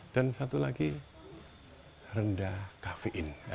dan satu lagi rendah gampang